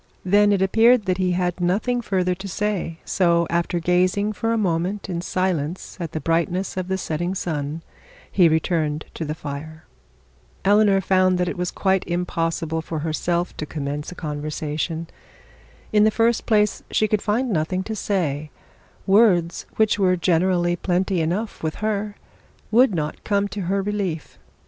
Then it appeared that he had nothing further to say; so after gazing for a moment in silence at the brightness of the setting sun, he returned to the fire. Eleanor found that it was quite impossible for herself to commence a conversation. In the first place she could find nothing to say; words, which were generally plenty enough with her, would not come to her relief.